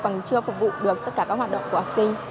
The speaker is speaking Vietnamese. còn chưa phục vụ được tất cả các hoạt động của học sinh